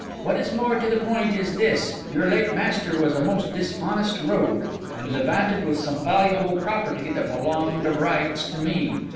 What is more to the point is this: your late master was a most dishonest rogue, and levanted with some valuable property that belonged of rights to me.